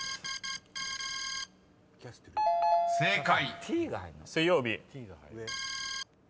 ［正解］